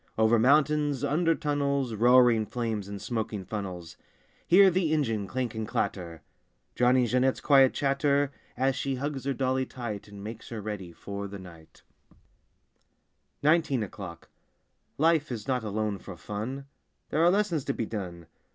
Over mountains, under tunnels, Roaring flames and smoking funnels— Hear the engine clank and clatter! Drowning Jeanette's quiet chatter As she hugs her dolly tight And makes her ready for the night. 49 EIGHTEEN O'CLOCK 51 NINETEEN O'CLOCK 1 IEE is not alone for fun; J There are lessons to be done.